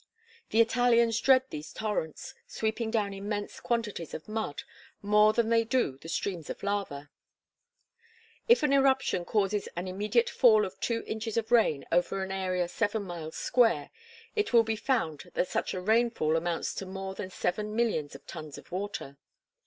The Italians dread these torrents, sweeping down immense quantities of mud, more than they do the streams of lava. If an eruption causes an immediate fall of two inches of rain over an area seven miles square, it will be found that such a rainfall amounts to more than seven millions of tons of water.